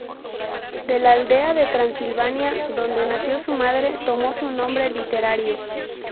De la aldea de Transilvania donde nació su madre, tomó su nombre literario.